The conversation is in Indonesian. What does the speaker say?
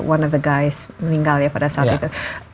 one of the guys meninggal ya pada saat itu